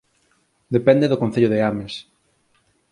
Depende do Concello de Ames